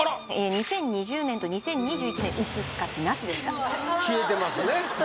２０２０年と２０２１年映す価値なしでした消えてますね